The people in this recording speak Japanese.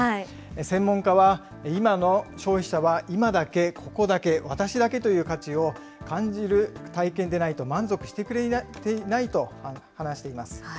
専門家は、今の消費者は、今だけ、ここだけ、私だけという価値を感じる体験でないと満足してくれないと話しています。